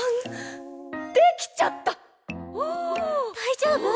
大丈夫？